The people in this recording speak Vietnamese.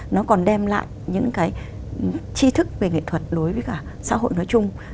nó còn đem lại những cái chi thức về nghệ thuật đối với cả xã hội nói chung